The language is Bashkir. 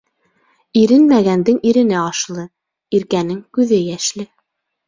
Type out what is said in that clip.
Иренмәгәндең ирене ашлы, иркәнең күҙе йәшле.